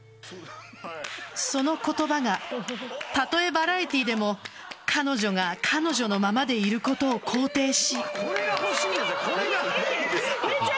その言葉がたとえバラエティーでも彼女が彼女のままでいることを肯定し。